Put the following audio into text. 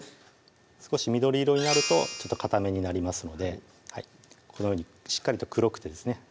少し緑色になるとかためになりますのでこのようにしっかりと黒くてですね